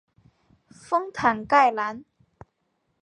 丰坦盖兰。